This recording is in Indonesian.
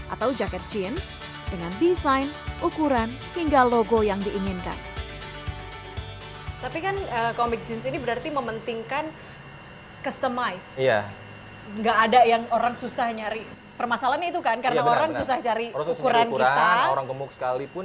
atau jaket jeans dengan desain ukuran hingga logo yang diinginkan